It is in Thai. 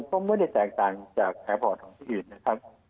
ก็ไม่ได้แตกต่างจากแอร์บอร์ดของที่อื่นนะครับ